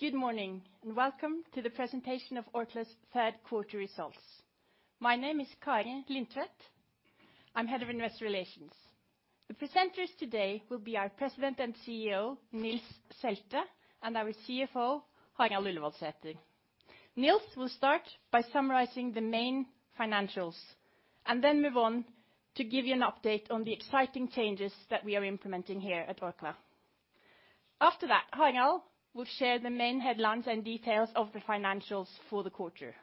Good morning, and welcome to the presentation of Orkla's third quarter results. My name is Kari Lindtvedt. I'm head of investor relations. The presenters today will be our president and CEO, Nils K. Selte, and our CFO, Harald Ullevoldsæter. Nils K. Selte will start by summarizing the main financials and then move on to give you an update on the exciting changes that we are implementing here at Orkla. After that, Harald Ullevoldsæter will share the main headlines and details of the financials for the quarter.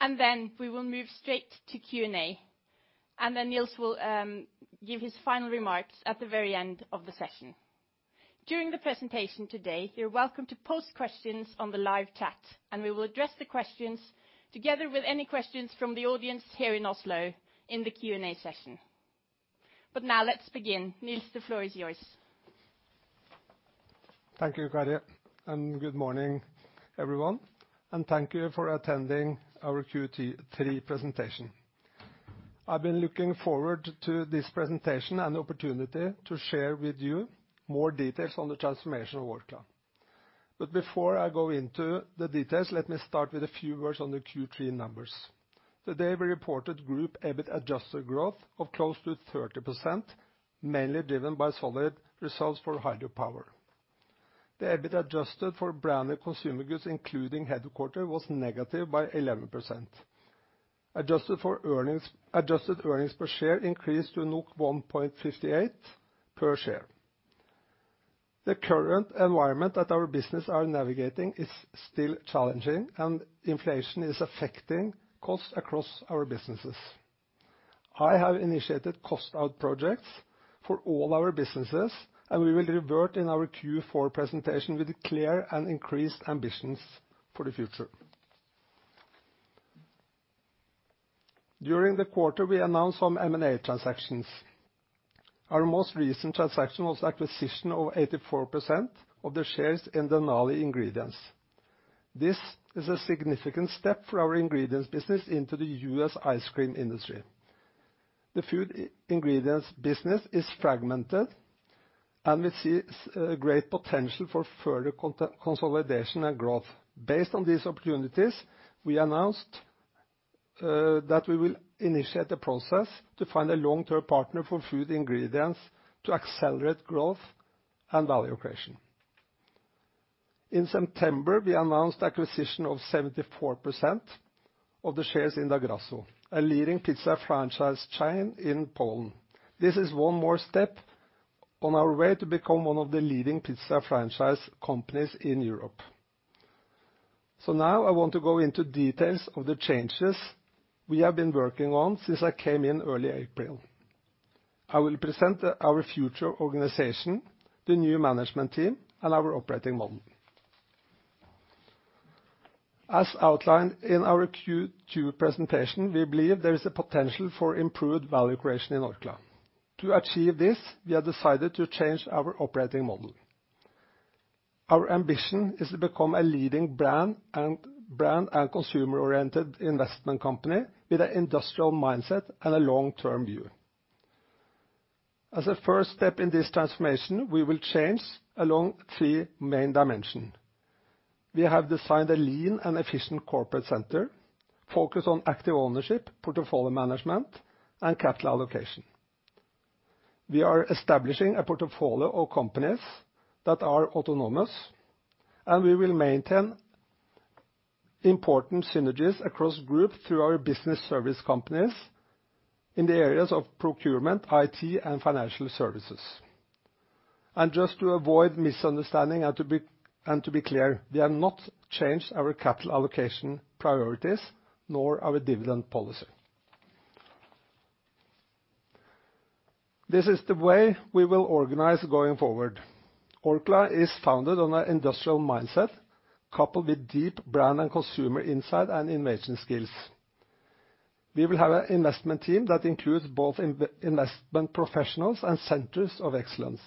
Then we will move straight to Q&A, and then Nils K. Selte will give his final remarks at the very end of the session. During the presentation today, you're welcome to pose questions on the live chat, and we will address the questions together with any questions from the audience here in Oslo in the Q&A session. Now let's begin. Nils K. Selte, the floor is yours. Thank you, Kari, and good morning, everyone, and thank you for attending our Q3 presentation. I've been looking forward to this presentation and opportunity to share with you more details on the transformation of Orkla. Before I go into the details, let me start with a few words on the Q3 numbers. Today, we reported group EBIT adjusted growth of close to 30%, mainly driven by solid results for hydropower. The EBIT adjusted for Branded Consumer Goods, including Headquarters, was negative by 11%. Adjusted earnings per share increased to 1.58 per share. The current environment that our business are navigating is still challenging, and inflation is affecting costs across our businesses. I have initiated cost out projects for all our businesses, and we will revert in our Q4 presentation with clear and increased ambitions for the future. During the quarter, we announced some M&A transactions. Our most recent transaction was acquisition of 84% of the shares in Denali Ingredients. This is a significant step for our ingredients business into the US ice cream industry. The food ingredients business is fragmented, and we see great potential for further consolidation and growth. Based on these opportunities, we announced that we will initiate the process to find a long-term partner for food ingredients to accelerate growth and value creation. In September, we announced acquisition of 74% of the shares in Da Grasso, a leading pizza franchise chain in Poland. This is one more step on our way to become one of the leading pizza franchise companies in Europe. Now I want to go into details of the changes we have been working on since I came in early April. I will present our future organization, the new management team, and our operating model. As outlined in our Q2 presentation, we believe there is a potential for improved value creation in Orkla. To achieve this, we have decided to change our operating model. Our ambition is to become a leading brand and consumer-oriented investment company with an industrial mindset and a long-term view. As a first step in this transformation, we will change along three main dimensions. We have designed a lean and efficient corporate center focused on active ownership, portfolio management, and capital allocation. We are establishing a portfolio of companies that are autonomous, and we will maintain important synergies across the group through our business service companies in the areas of procurement, IT, and financial services. Just to avoid misunderstanding and to be clear, we have not changed our capital allocation priorities nor our dividend policy. This is the way we will organize going forward. Orkla is founded on an industrial mindset coupled with deep brand and consumer insight and innovation skills. We will have an investment team that includes both investment professionals and centers of excellence.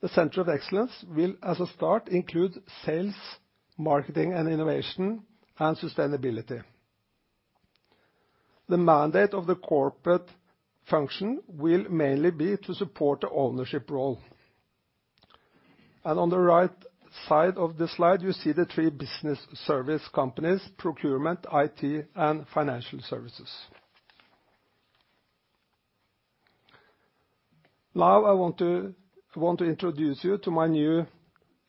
The center of excellence will, as a start, include sales, marketing and innovation, and sustainability. The mandate of the corporate function will mainly be to support the ownership role. On the right side of the slide, you see the three business service companies, procurement, IT, and financial services. Now I want to introduce you to my new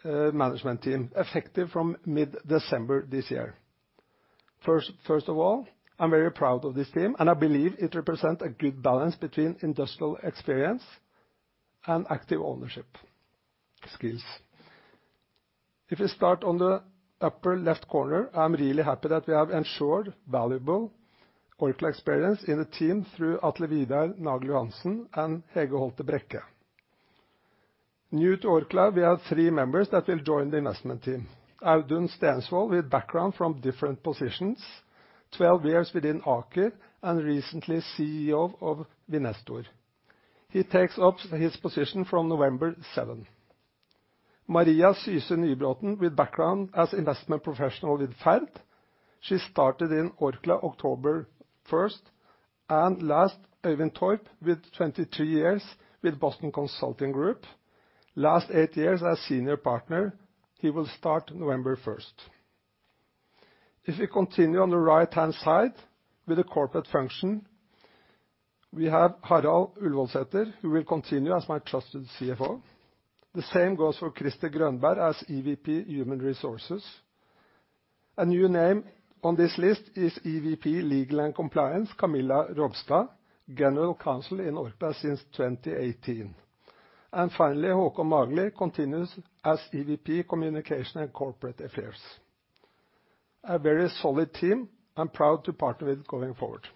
management team, effective from mid-December this year. First of all, I'm very proud of this team, and I believe it represent a good balance between industrial experience and active ownership skills. If you start on the upper left corner, I'm really happy that we have ensured valuable Orkla experience in the team through Atle Vidar Nagel Johansen and Hege Holter Brekke. New to Orkla, we have three members that will join the investment team. Audun Stensvold with background from different positions, 12 years within Aker, and recently CEO of Vesta. He takes up his position from November seventh. Maria Syse-Nybråten with background as investment professional with Ferd. She started in Orkla October first. Last, Øyvind Torpp with 22 years with Boston Consulting Group, last 8 years as senior partner. He will start November first. If we continue on the right-hand side with the corporate function, we have Harald Ullevoldsæter who will continue as my trusted CFO. The same goes for Christer Grønberg as EVP Human Resources. A new name on this list is EVP Legal and Compliance, Camilla Robstad, General Counsel in Orkla since 2018. And finally, Håkon Mageli continues as EVP Communication and Corporate Affairs. A very solid team I'm proud to partner with going forward.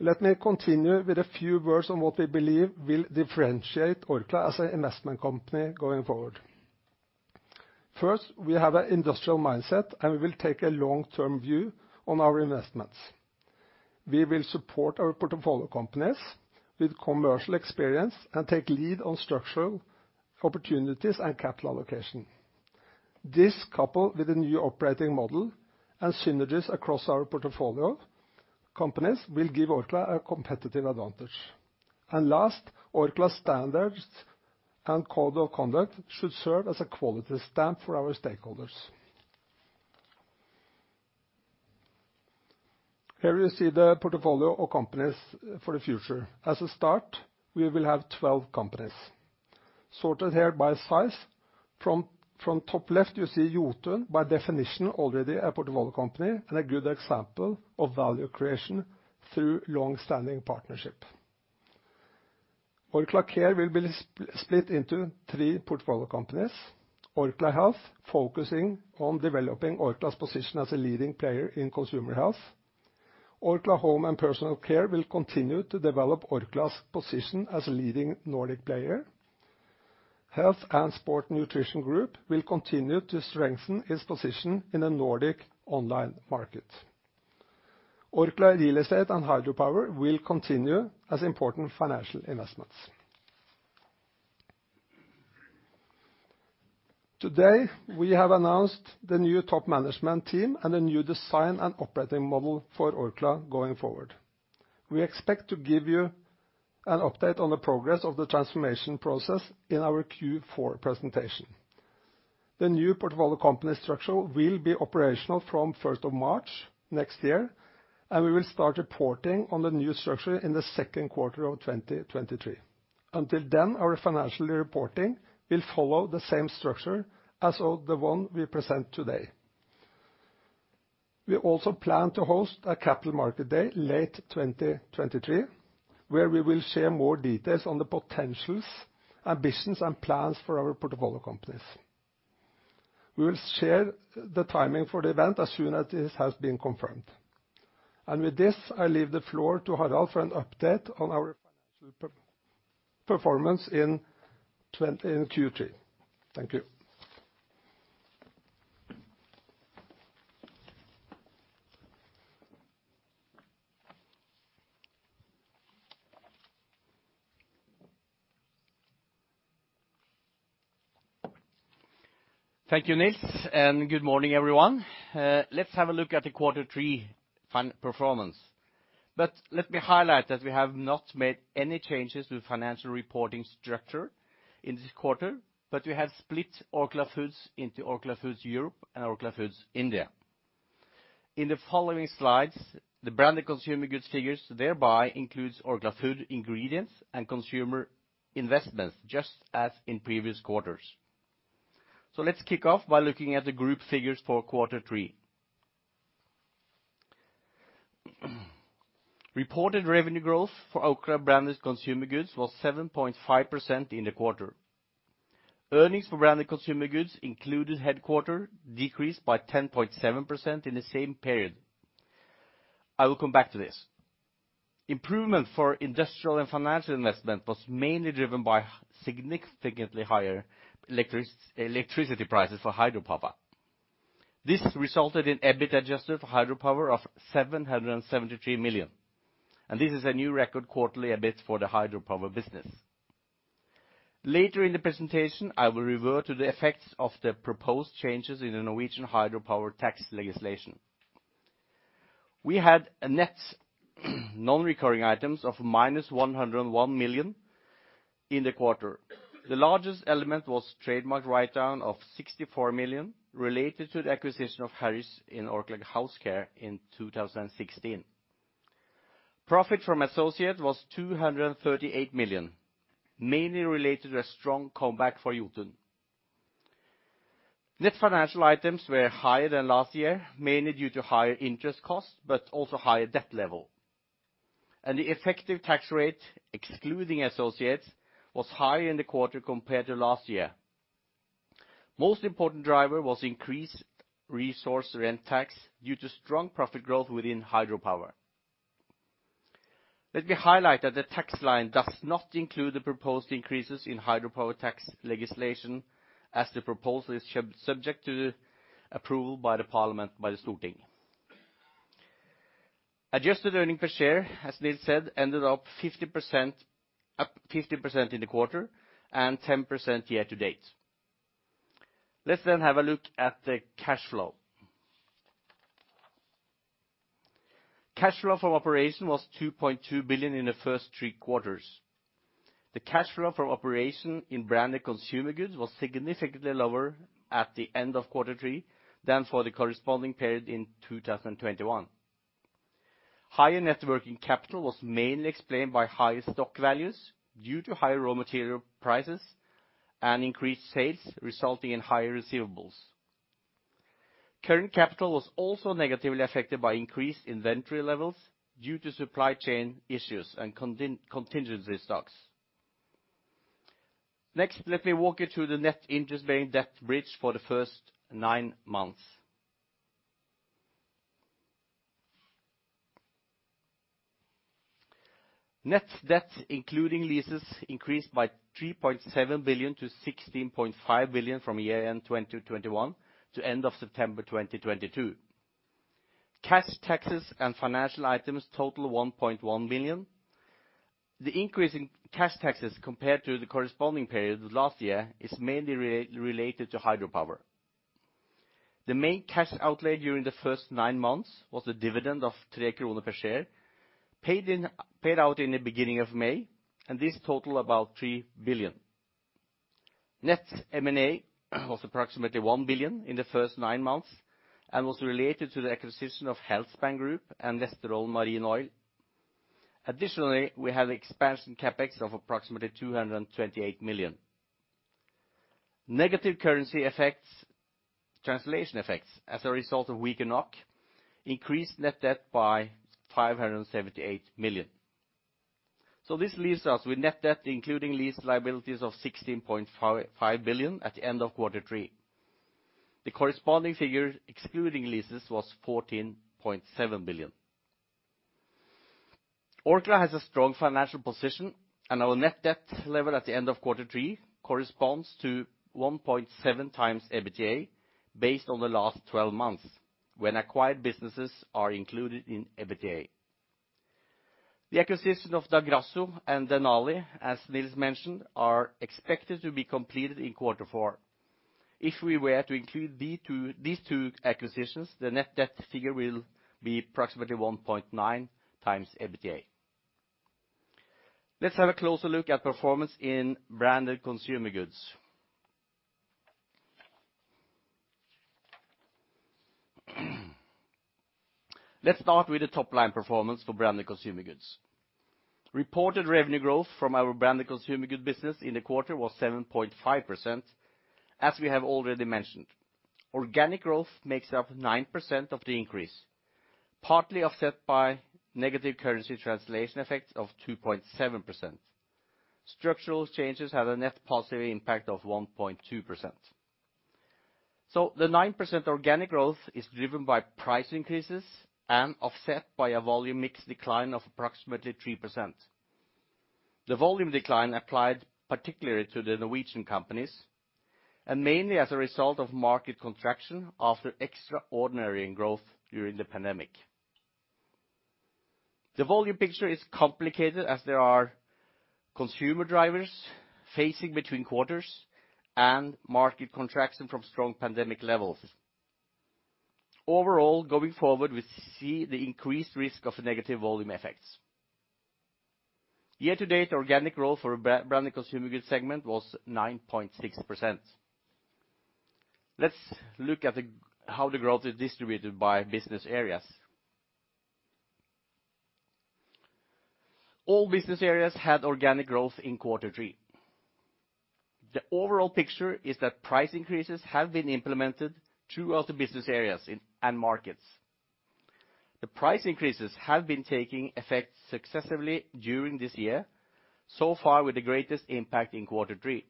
Let me continue with a few words on what we believe will differentiate Orkla as an investment company going forward. First, we have an industrial mindset, and we will take a long-term view on our investments. We will support our portfolio companies with commercial experience and take lead on structural opportunities and capital allocation. This, coupled with the new operating model and synergies across our portfolio companies will give Orkla a competitive advantage. Last, Orkla standards and code of conduct should serve as a quality stamp for our stakeholders. Here you see the portfolio of companies for the future. As a start, we will have 12 companies. Sorted here by size, from top left, you see Jotun, by definition already a portfolio company and a good example of value creation through long-standing partnership. Orkla Care will be split into three portfolio companies. Orkla Health focusing on developing Orkla's position as a leading player in consumer health. Orkla Home & Personal Care will continue to develop Orkla's position as a leading Nordic player. Health and Sports Nutrition Group will continue to strengthen its position in the Nordic online market. Orkla Real Estate and Hydro Power will continue as important financial investments. Today, we have announced the new top management team and the new design and operating model for Orkla going forward. We expect to give you an update on the progress of the transformation process in our Q4 presentation. The new portfolio company structure will be operational from first of March next year, and we will start reporting on the new structure in the second quarter of 2023. Until then, our financial reporting will follow the same structure as the one we present today. We also plan to host a Capital Market Day late 2023, where we will share more details on the potentials, ambitions, and plans for our portfolio companies. We will share the timing for the event as soon as this has been confirmed. With this, I leave the floor to Harald Ullevoldsæter for an update on our financial performance in Q3. Thank you. Thank you, Nils, and good morning, everyone. Let's have a look at the quarter three financial performance. Let me highlight that we have not made any changes to the financial reporting structure in this quarter, but we have split Orkla Foods into Orkla Foods Europe and Orkla India. In the following slides, the Branded Consumer Goods figures thereby includes Orkla Food Ingredients and consumer investments, just as in previous quarters. Let's kick off by looking at the group figures for quarter three. Reported revenue growth for Orkla Branded Consumer Goods was 7.5% in the quarter. Earnings for Branded Consumer Goods included headquarter decreased by 10.7% in the same period. I will come back to this. Improvement for industrial and financial investment was mainly driven by significantly higher electricity prices for Hydro Power. This resulted in EBIT adjusted for Hydro Power of 773 million, and this is a new record quarterly EBIT for the Hydro Power business. Later in the presentation, I will revert to the effects of the proposed changes in the Norwegian Hydro Power tax legislation. We had a net non-recurring items of -101 million in the quarter. The largest element was trademark write-down of 64 million related to the acquisition of Harris in Orkla House Care in 2016. Profit from associate was 238 million, mainly related to a strong comeback for Jotun. Net financial items were higher than last year, mainly due to higher interest costs, but also higher debt level. The effective tax rate, excluding associates, was higher in the quarter compared to last year. Most important driver was increased resource rent tax due to strong profit growth within hydropower. Let me highlight that the tax line does not include the proposed increases in hydropower tax legislation as the proposal is subject to approval by the parliament, by the Stortinget. Adjusted earnings per share, as Nils said, ended up 50%, up 50% in the quarter and 10% year to date. Let's then have a look at the cash flow. Cash flow from operations was 2.2 billion in the first three quarters. The cash flow from operations in branded consumer goods was significantly lower at the end of quarter three than for the corresponding period in 2021. Higher net working capital was mainly explained by higher stock values due to higher raw material prices and increased sales resulting in higher receivables. Current capital was also negatively affected by increased inventory levels due to supply chain issues and contingency stocks. Next, let me walk you through the net interest-bearing debt bridge for the first nine months. Net debt, including leases, increased by 3.7 billion to 16.5 billion from year end 2021 to end of September 2022. Cash taxes and financial items total 1.1 billion. The increase in cash taxes compared to the corresponding period last year is mainly related to hydropower. The main cash outlay during the first nine months was a dividend of 3 kroner per share, paid out in the beginning of May, and this total about 3 billion. Net M&A was approximately 1 billion in the first nine months and was related to the acquisition of Healthspan Group and Vesterålen Marine Oil. Additionally, we have expansion CapEx of approximately 228 million. Negative currency effects, translation effects as a result of weaker NOK increased net debt by 578 million. This leaves us with net debt, including lease liabilities of 16.55 billion at the end of quarter three. The corresponding figure, excluding leases, was 14.7 billion. Orkla has a strong financial position, and our net debt level at the end of quarter three corresponds to 1.7 times EBITDA based on the last twelve months when acquired businesses are included in EBITDA. The acquisition of Da Grasso and Denali, as Nils mentioned, are expected to be completed in quarter four. If we were to include these two acquisitions, the net debt figure will be approximately 1.9 times EBITDA. Let's have a closer look at performance in Branded Consumer Goods. Let's start with the top line performance for Branded Consumer Goods. Reported revenue growth from our Branded Consumer Goods business in the quarter was 7.5%, as we have already mentioned. Organic growth makes up 9% of the increase, partly offset by negative currency translation effects of 2.7%. Structural changes have a net positive impact of 1.2%. The 9% organic growth is driven by price increases and offset by a volume mix decline of approximately 3%. The volume decline applied particularly to the Norwegian companies, and mainly as a result of market contraction after extraordinary growth during the pandemic. The volume picture is complicated as there are consumer drivers phasing between quarters and market contraction from strong pandemic levels. Overall, going forward, we see the increased risk of negative volume effects. Year to date, organic growth for Branded Consumer Goods segment was 9.6%. Let's look at how the growth is distributed by business areas. All business areas had organic growth in quarter three. The overall picture is that price increases have been implemented throughout the business areas and markets. The price increases have been taking effect successively during this year, so far with the greatest impact in quarter three.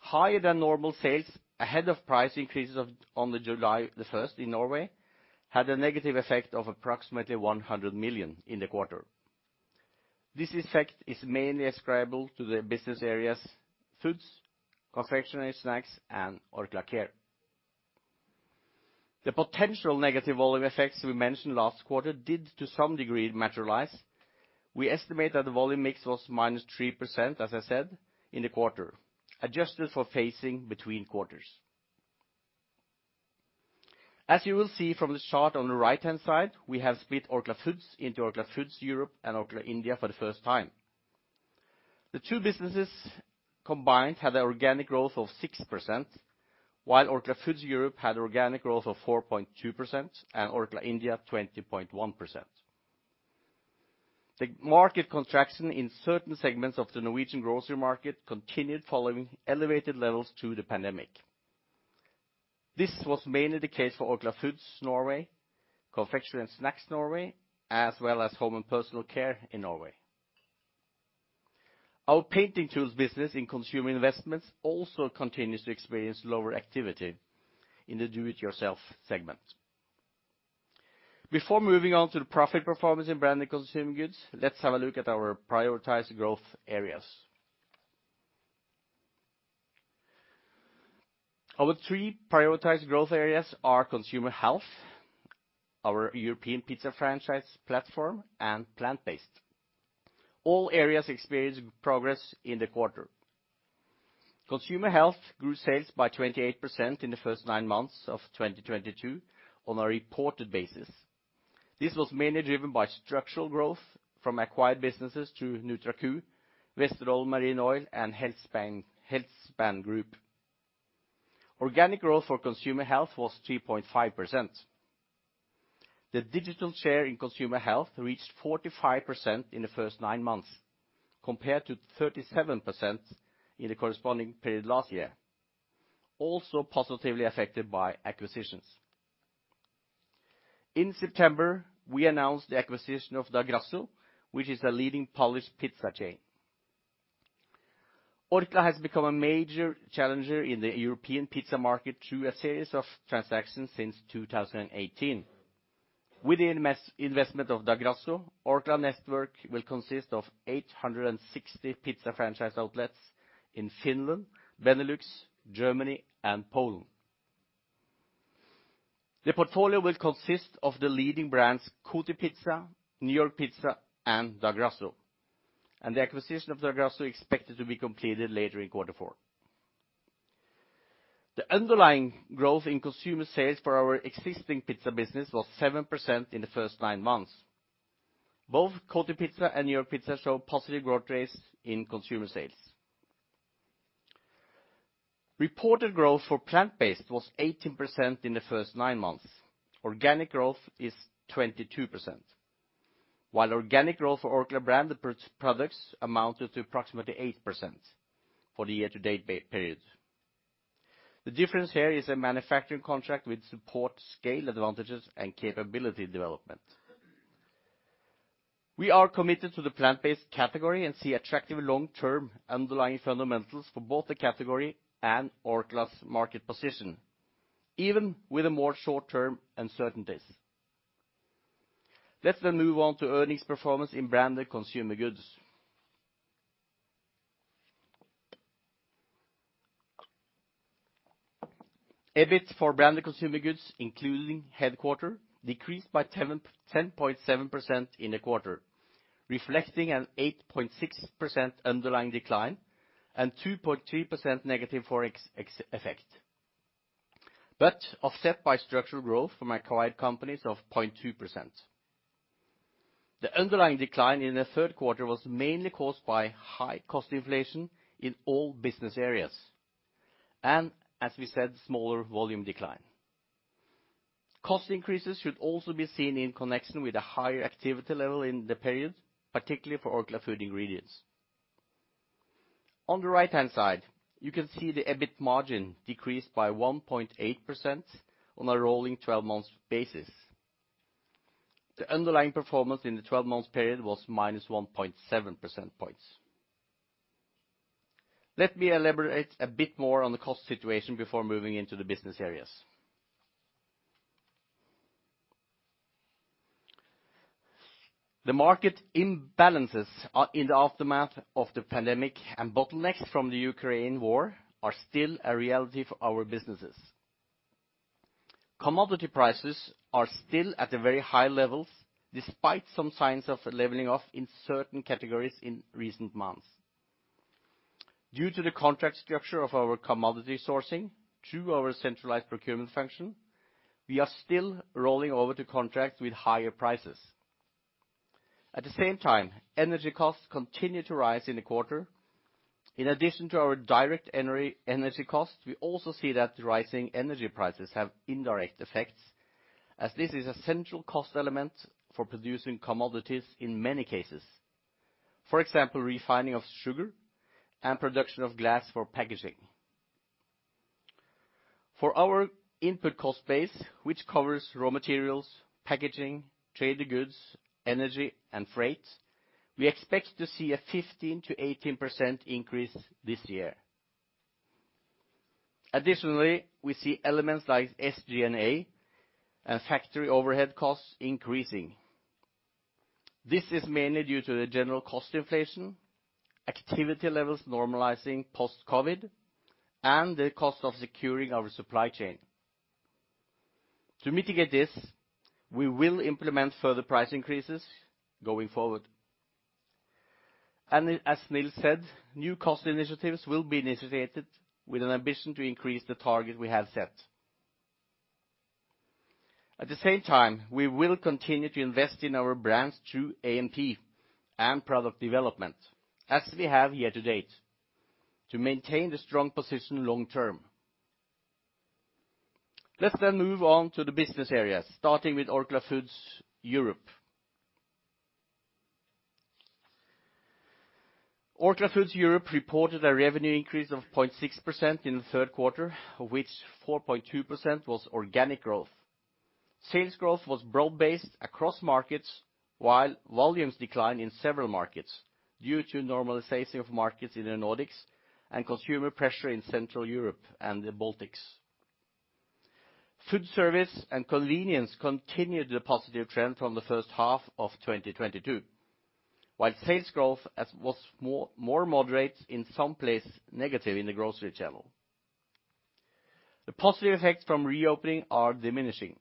Higher than normal sales ahead of price increases on July 1 in Norway had a negative effect of approximately 100 million in the quarter. This effect is mainly attributable to the business areas Foods, Confectionery, Snacks and Orkla Care. The potential negative volume effects we mentioned last quarter did to some degree materialize. We estimate that the volume mix was -3%, as I said, in the quarter, adjusted for phasing between quarters. As you will see from the chart on the right-hand side, we have split Orkla Foods into Orkla Foods Europe and Orkla India for the first time. The two businesses combined had organic growth of 6%, while Orkla Foods Europe had organic growth of 4.2% and Orkla India 20.1%. The market contraction in certain segments of the Norwegian grocery market continued following elevated levels through the pandemic. This was mainly the case for Orkla Foods Norge, Orkla Confectionery & Snacks Norway, as well as Orkla Home & Personal Care in Norway. Our painting tools business in Orkla Consumer Investments also continues to experience lower activity in the do-it-yourself segment. Before moving on to the profit performance in Branded Consumer Goods, let's have a look at our prioritized growth areas. Our three prioritized growth areas are consumer health, our European pizza franchise platform, and plant-based. All areas experienced progress in the quarter. Consumer health grew sales by 28% in the first nine months of 2022 on a reported basis. This was mainly driven by structural growth from acquired businesses, NutraQ, Vesterålen Marine Oil, and Healthspan Group. Organic growth for consumer health was 3.5%. The digital share in consumer health reached 45% in the first nine months, compared to 37% in the corresponding period last year, also positively affected by acquisitions. In September, we announced the acquisition of Da Grasso, which is a leading Polish pizza chain. Orkla has become a major challenger in the European pizza market through a series of transactions since 2018. With the investment of Da Grasso, Orkla network will consist of 860 pizza franchise outlets in Finland, Benelux, Germany, and Poland. The portfolio will consist of the leading brands, Kotipizza, New York Pizza, and Da Grasso. The acquisition of Da Grasso expected to be completed later in quarter four. The underlying growth in consumer sales for our existing pizza business was 7% in the first nine months. Both Kotipizza and New York Pizza show positive growth rates in consumer sales. Reported growth for plant-based was 18% in the first nine months. Organic growth is 22%, while organic growth for Orkla brand products amounted to approximately 8% for the year-to-date base period. The difference here is a manufacturing contract with support, scale advantages, and capability development. We are committed to the plant-based category and see attractive long-term underlying fundamentals for both the category and Orkla's market position, even with more short-term uncertainties. Let's move on to earnings performance in Branded Consumer Goods. EBIT for Branded Consumer Goods, including headquarters, decreased by 7.7% in the quarter, reflecting an 8.6% underlying decline and 2.3% negative FX effect, but offset by structural growth from acquired companies of 0.2%. The underlying decline in the third quarter was mainly caused by high cost inflation in all business areas and, as we said, smaller volume decline. Cost increases should also be seen in connection with a higher activity level in the period, particularly for Orkla Food Ingredients. On the right-hand side, you can see the EBIT margin decreased by 1.8% on a rolling 12 months basis. The underlying performance in the 12 months period was minus 1.7 percentage points. Let me elaborate a bit more on the cost situation before moving into the business areas. The market imbalances are in the aftermath of the pandemic, and bottlenecks from the Ukraine war are still a reality for our businesses. Commodity prices are still at a very high levels, despite some signs of a leveling off in certain categories in recent months. Due to the contract structure of our commodity sourcing through our centralized procurement function, we are still rolling over to contracts with higher prices. At the same time, energy costs continued to rise in the quarter. In addition to our direct energy costs, we also see that the rising energy prices have indirect effects, as this is a central cost element for producing commodities in many cases. For example, refining of sugar and production of glass for packaging. For our input cost base, which covers raw materials, packaging, traded goods, energy, and freight, we expect to see a 15%-18% increase this year. Additionally, we see elements like SG&A and factory overhead costs increasing. This is mainly due to the general cost inflation, activity levels normalizing post-COVID, and the cost of securing our supply chain. To mitigate this, we will implement further price increases going forward. As Nils said, new cost initiatives will be initiated with an ambition to increase the target we have set. At the same time, we will continue to invest in our brands through A&P and product development, as we have year to date, to maintain the strong position long term. Let's then move on to the business areas, starting with Orkla Foods Europe. Orkla Foods Europe reported a revenue increase of 0.6% in the third quarter, of which 4.2% was organic growth. Sales growth was broad-based across markets, while volumes declined in several markets due to normalization of markets in the Nordics and consumer pressure in Central Europe and the Baltics. Food service and convenience continued the positive trend from the first half of 2022. While sales growth was more moderate, in some places negative in the grocery channel. The positive effects from reopening are diminishing.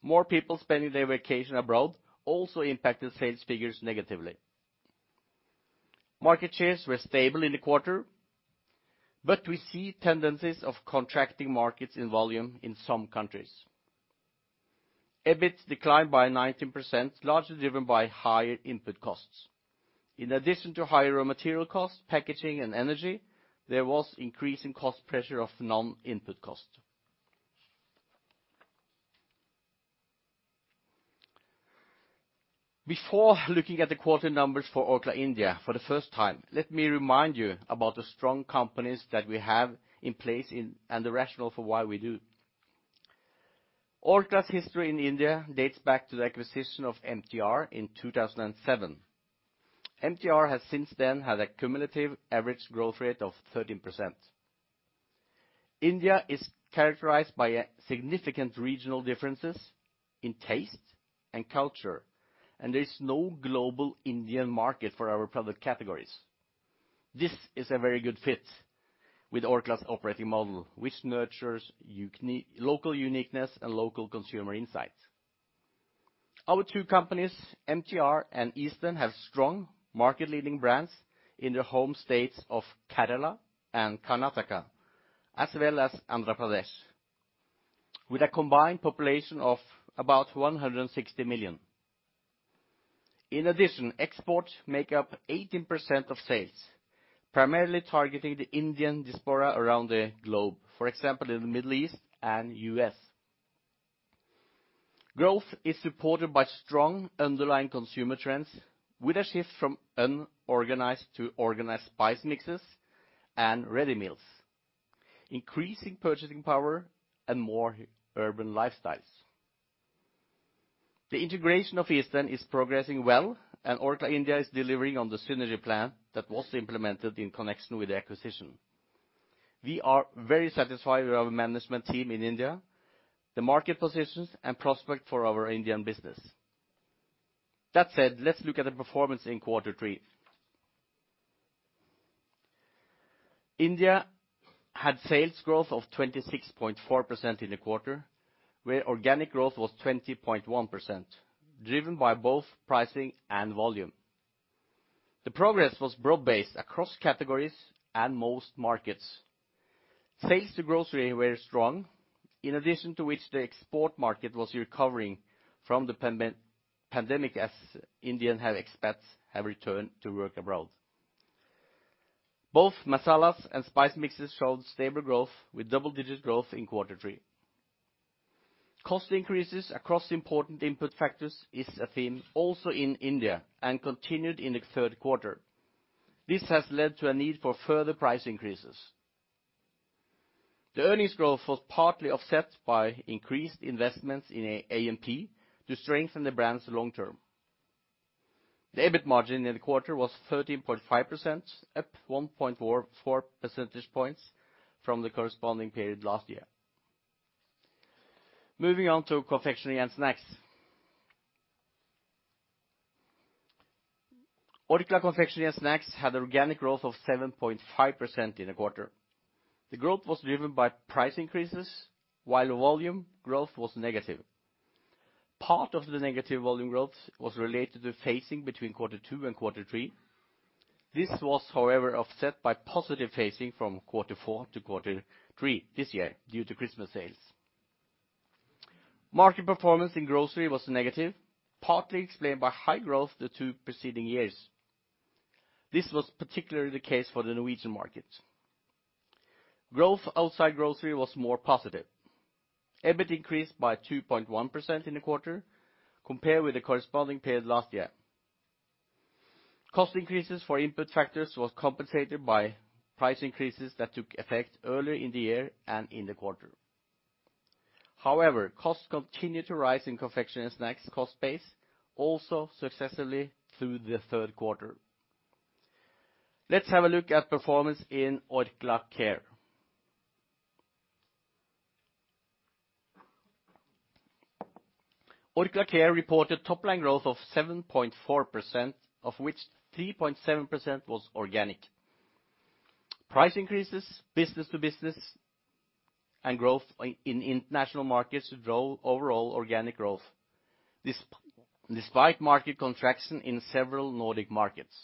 More people spending their vacation abroad also impacted sales figures negatively. Market shares were stable in the quarter. We see tendencies of contracting markets in volume in some countries. EBIT declined by 19%, largely driven by higher input costs. In addition to higher raw material costs, packaging, and energy, there was increasing cost pressure of non-input costs. Before looking at the quarter numbers for Orkla India for the first time, let me remind you about the strong companies that we have in place in, and the rationale for why we do. Orkla's history in India dates back to the acquisition of MTR in 2007. MTR has since then had a cumulative average growth rate of 13%. India is characterized by a significant regional differences in taste and culture, and there is no global Indian market for our product categories. This is a very good fit with Orkla's operating model, which nurtures unique local uniqueness and local consumer insight. Our two companies, MTR and Eastern, have strong market-leading brands in their home states of Kerala and Karnataka, as well as Andhra Pradesh, with a combined population of about 160 million. In addition, exports make up 18% of sales, primarily targeting the Indian diaspora around the globe, for example, in the Middle East and U.S. Growth is supported by strong underlying consumer trends with a shift from unorganized to organized spice mixes and ready meals, increasing purchasing power and more urban lifestyles. The integration of Eastern is progressing well, and Orkla India is delivering on the synergy plan that was implemented in connection with the acquisition. We are very satisfied with our management team in India, the market positions, and prospects for our Indian business. That said, let's look at the performance in quarter three. India had sales growth of 26.4% in the quarter, where organic growth was 20.1%, driven by both pricing and volume. The progress was broad-based across categories and most markets. Sales to grocery were strong, in addition to which the export market was recovering from the pandemic as Indian expats have returned to work abroad. Both masalas and spice mixes showed stable growth with double-digit growth in quarter three. Cost increases across important input factors is a theme also in India and continued in the third quarter. This has led to a need for further price increases. The earnings growth was partly offset by increased investments in A&P to strengthen the brand's long-term. The EBIT margin in the quarter was 13.5%, up 1.44 percentage points from the corresponding period last year. Moving on to confectionery and snacks. Orkla Confectionery & Snacks had organic growth of 7.5% in the quarter. The growth was driven by price increases, while volume growth was negative. Part of the negative volume growth was related to phasing between quarter two and quarter three. This was, however, offset by positive phasing from quarter four to quarter three this year due to Christmas sales. Market performance in grocery was negative, partly explained by high growth the two preceding years. This was particularly the case for the Norwegian market. Growth outside grocery was more positive. EBIT increased by 2.1% in the quarter compared with the corresponding period last year. Cost increases for input factors was compensated by price increases that took effect earlier in the year and in the quarter. However, costs continued to rise in confectionery and snacks cost base, also successively through the third quarter. Let's have a look at performance in Orkla Care. Orkla Care reported top line growth of 7.4%, of which 3.7% was organic. Price increases, business to business, and growth in international markets drove overall organic growth, despite market contraction in several Nordic markets.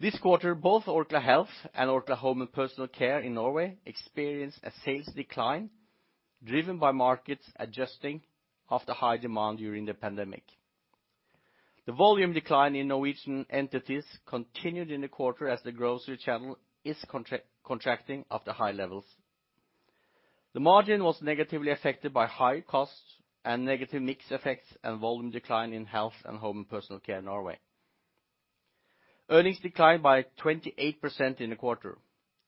This quarter, both Orkla Health and Orkla Home & Personal Care in Norway experienced a sales decline driven by markets adjusting after high demand during the pandemic. The volume decline in Norwegian entities continued in the quarter as the grocery channel is contracting after high levels. The margin was negatively affected by high costs and negative mix effects and volume decline in Health and Home & Personal Care in Norway. Earnings declined by 28% in the quarter.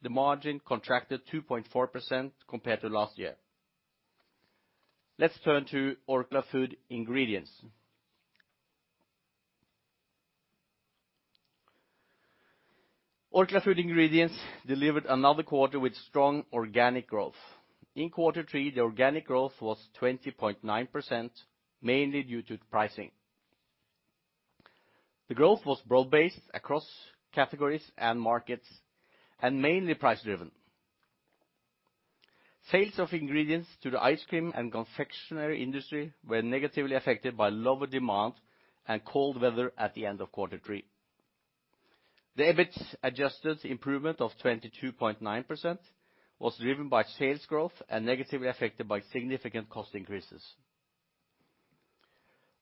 The margin contracted 2.4% compared to last year. Let's turn to Orkla Food Ingredients. Orkla Food Ingredients delivered another quarter with strong organic growth. In quarter three, the organic growth was 20.9%, mainly due to pricing. The growth was broad-based across categories and markets, and mainly price-driven. Sales of ingredients to the ice cream and confectionery industry were negatively affected by lower demand and cold weather at the end of quarter three. The EBIT adjusted improvement of 22.9% was driven by sales growth and negatively affected by significant cost increases.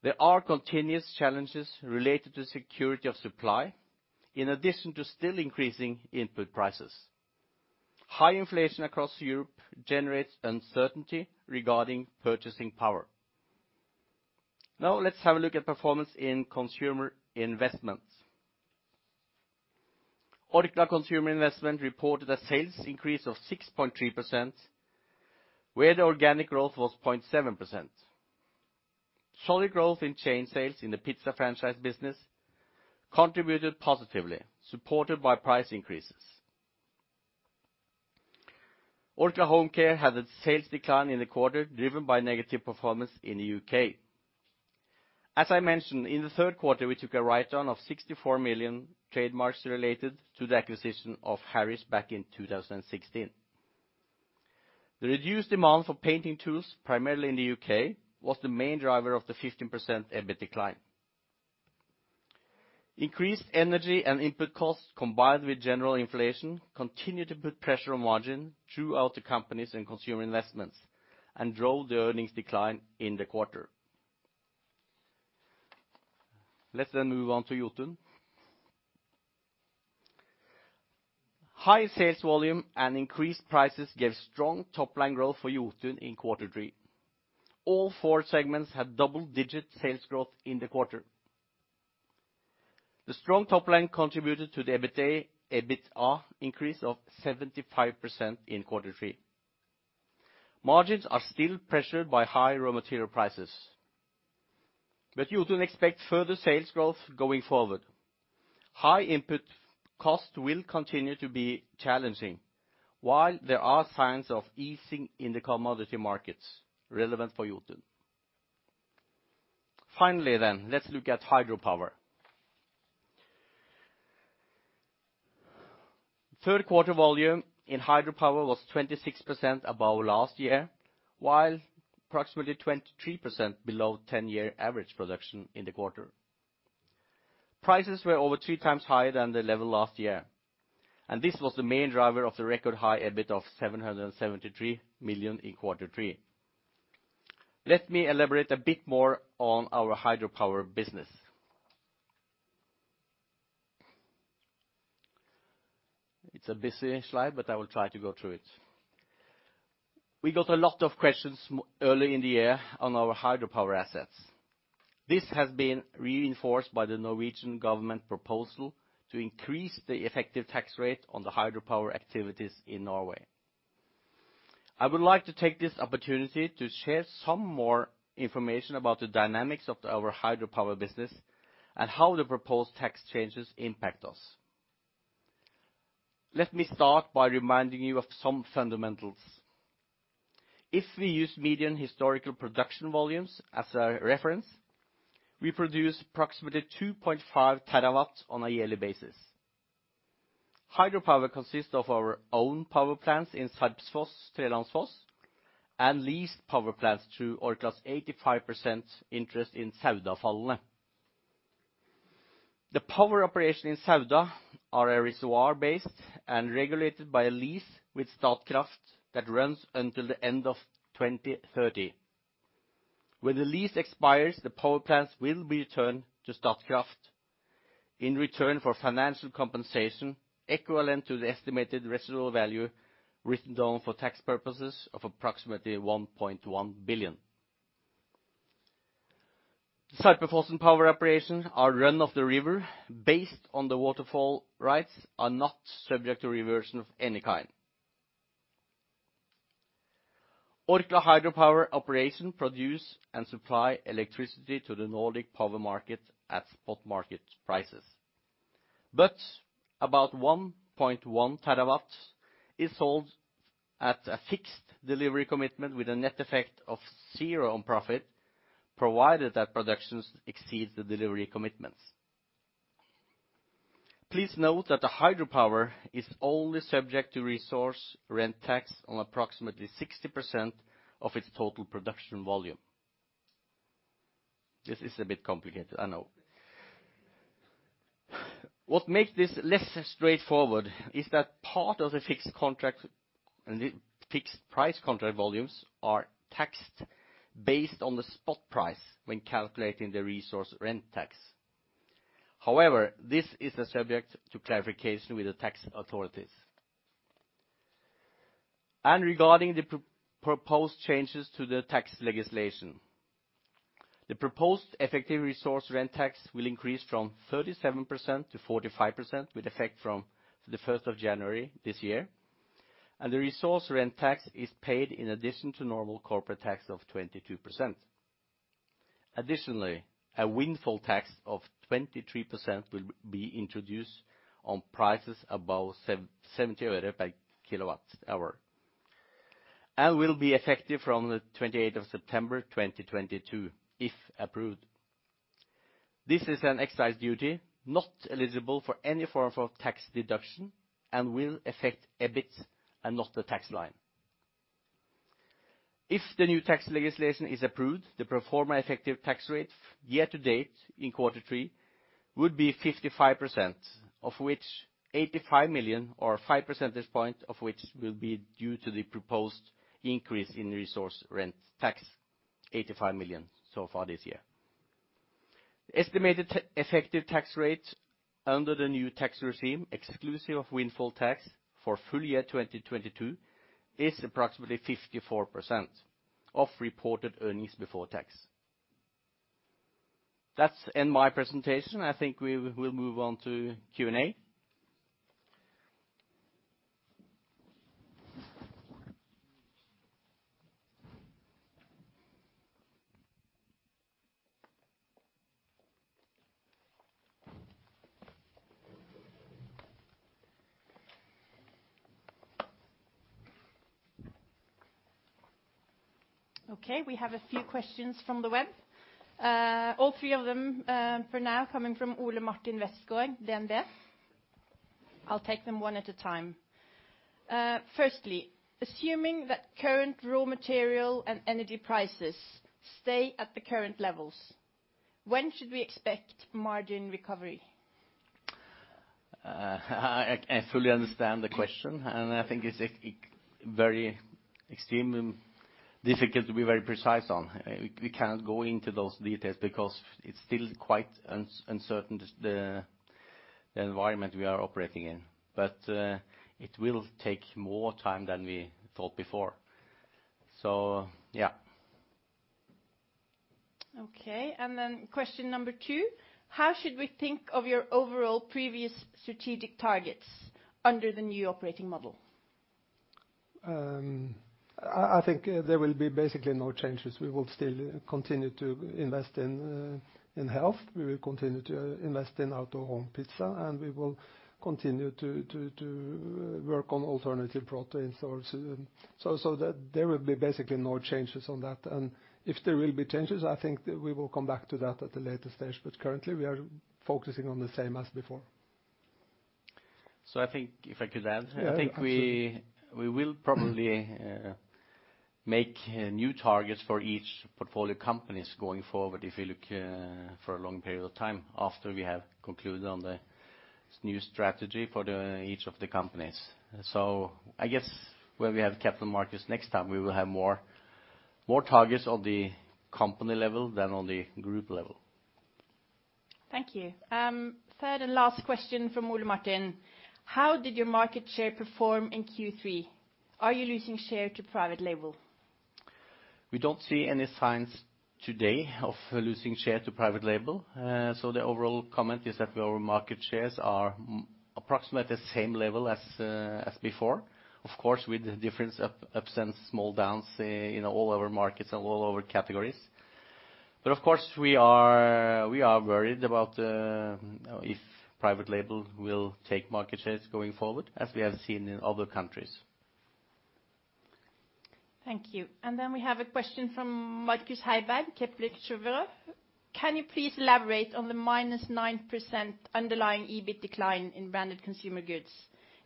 There are continuous challenges related to security of supply in addition to still increasing input prices. High inflation across Europe generates uncertainty regarding purchasing power. Now let's have a look at performance in Consumer Investments. Orkla Consumer Investments reported a sales increase of 6.3%, where the organic growth was 0.7%. Solid growth in chain sales in the pizza franchise business contributed positively, supported by price increases. Orkla House Care had a sales decline in the quarter, driven by negative performance in the U.K. As I mentioned, in the third quarter, we took a write-down of 64 million trademarks related to the acquisition of Harris back in 2016. The reduced demand for painting tools, primarily in the U.K., was the main driver of the 15% EBIT decline. Increased energy and input costs, combined with general inflation, continued to put pressure on margin throughout the companies and Consumer Investments, and drove the earnings decline in the quarter. Let's move on to Jotun. High sales volume and increased prices gave strong top line growth for Jotun in quarter three. All four segments had double-digit sales growth in the quarter. The strong top line contributed to the EBITA increase of 75% in quarter three. Margins are still pressured by high raw material prices. Jotun expect further sales growth going forward. High input cost will continue to be challenging, while there are signs of easing in the commodity markets relevant for Jotun. Finally, let's look at Hydro Power. Third quarter volume in Hydro Power was 26% above last year, while approximately 23% below 10-year average production in the quarter. Prices were over three times higher than the level last year, and this was the main driver of the record high EBIT of 773 million in quarter three. Let me elaborate a bit more on our Hydro Power business. It's a busy slide, but I will try to go through it. We got a lot of questions early in the year on our Hydro Power assets. This has been reinforced by the Norwegian government proposal to increase the effective tax rate on the Hydro Power activities in Norway. I would like to take this opportunity to share some more information about the dynamics of our Hydro Power business and how the proposed tax changes impact us. Let me start by reminding you of some fundamentals. If we use median historical production volumes as a reference, we produce approximately 2.5 terawatts on a yearly basis. Hydro Power consists of our own power plants in Sarpsfoss, Trolldalsfoss, and leased power plants through Orkla's 85% interest in Saudefaldene. The power operation in Sauda is reservoir-based and regulated by a lease with Statkraft that runs until the end of 2030. When the lease expires, the power plants will be turned to Statkraft in return for financial compensation equivalent to the estimated residual value written down for tax purposes of approximately 1.1 billion. Sarpsfoss and power operations are run-of-the-river based on the waterfall rights are not subject to reversion of any kind. Orkla Hydro Power operation produce and supply electricity to the Nordic power market at spot market prices. About 1.1 TWh is sold at a fixed delivery commitment with a net effect of zero on profit, provided that production exceeds the delivery commitments. Please note that the Hydro Power is only subject to resource rent tax on approximately 60% of its total production volume. This is a bit complicated, I know. What makes this less straightforward is that part of the fixed price contract volumes are taxed based on the spot price when calculating the resource rent tax. However, this is subject to clarification with the tax authorities. Regarding the proposed changes to the tax legislation, the proposed effective resource rent tax will increase from 37% to 45% with effect from January 1 this year. The resource rent tax is paid in addition to normal corporate tax of 22%. Additionally, a windfall tax of 23% will be introduced on prices above 70 øre per kWh, and will be effective from September 28, 2022 if approved. This is an excise duty not eligible for any form of tax deduction and will affect EBIT and not the tax line. If the new tax legislation is approved, the pro forma effective tax rates year to date in quarter three would be 55%, of which 85 million or five percentage points of which will be due to the proposed increase in resource rent tax. 85 million so far this year. The estimated effective tax rates under the new tax regime, exclusive of windfall tax for full year 2022, is approximately 54% of reported earnings before tax. That's the end of my presentation. I think we will move on to Q&A. Okay, we have a few questions from the web. All three of them, for now coming from Ole Martin Westgaard, DNB Markets. I'll take them one at a time. Firstly, assuming that current raw material and energy prices stay at the current levels, when should we expect margin recovery? I fully understand the question, and I think it's very extremely difficult to be very precise on. We cannot go into those details because it's still quite uncertain, the environment we are operating in. It will take more time than we thought before. Yeah. Okay, question number two. How should we think of your overall previous strategic targets under the new operating model? I think there will be basically no changes. We will still continue to invest in health. We will continue to invest in out-of-home pizza, and we will continue to work on alternative protein sources. So that there will be basically no changes on that. If there will be changes, I think that we will come back to that at a later stage. Currently, we are focusing on the same as before. I think if I could add. Yeah. I think we will probably make new targets for each portfolio companies going forward if you look for a long period of time after we have concluded on the new strategy for the each of the companies. I guess when we have capital markets next time, we will have more targets on the company level than on the group level. Thank you. Third and last question from Ole Martin. How did your market share perform in Q3? Are you losing share to private label? We don't see any signs today of losing share to private label. The overall comment is that our market shares are approximately the same level as before. Of course, with the differences ups and small downs in all our markets and all our categories. Of course, we are worried about if private label will take market shares going forward, as we have seen in other countries. Thank you. We have a question from Markus Borge Heiberg, Kepler Cheuvreux. Can you please elaborate on the -9% underlying EBIT decline in Branded Consumer Goods?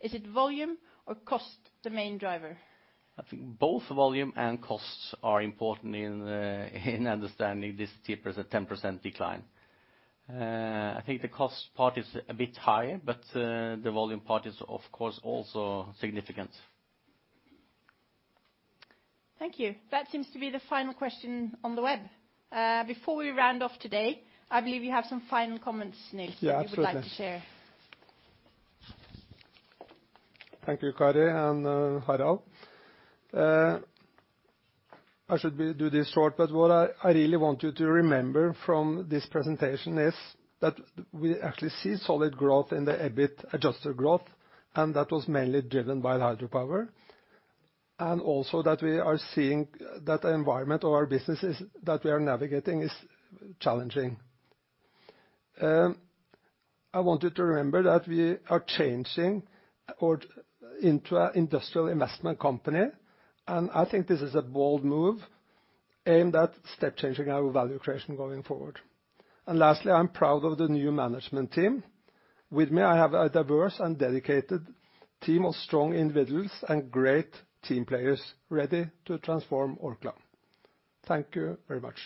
Is it volume or cost the main driver? I think both volume and costs are important in understanding this 10% decline. I think the cost part is a bit higher, but the volume part is of course also significant. Thank you. That seems to be the final question on the web. Before we round off today, I believe you have some final comments, Nils. Yeah, absolutely. that you would like to share. Thank you, Kari and Harald. I should keep this short, but what I really want you to remember from this presentation is that we actually see solid growth in the EBIT-adjusted growth, and that was mainly driven by the Hydro Power. Also that we are seeing that the environment of our businesses that we are navigating is challenging. I want you to remember that we are changing us into an industrial investment company, and I think this is a bold move aimed at step-changing our value creation going forward. Lastly, I'm proud of the new management team. With me, I have a diverse and dedicated team of strong individuals and great team players ready to transform Orkla. Thank you very much.